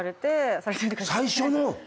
最初の？